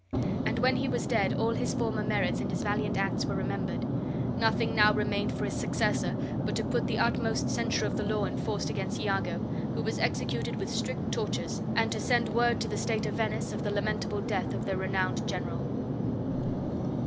And when he was dead all his former merits and his valiant acts were remembered. Nothing now remained for his successor but to put the utmost censure of the law in force against Iago, who was executed with strict tortures; and to send word to the state of Venice of the lamentable death of their renowned general.